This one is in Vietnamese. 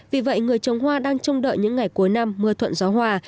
vì vậy người trồng hoa đang trông đợi những ngày cuối năm mưa thuận gió hòa